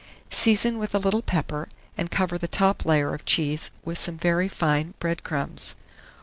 Season with a little pepper, and cover the top layer of cheese with some very fine bread crumbs.